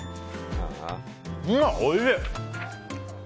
うわ、おいしい！